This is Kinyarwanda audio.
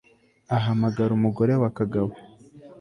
ahamagara umugore wa kagabo